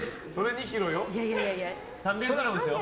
３００ｇですよ。